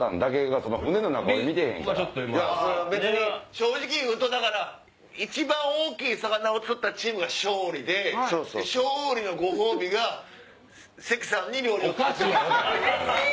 正直言うと一番大きい魚を釣ったチームが勝利で勝利のご褒美が関さんに料理を作ってもらう。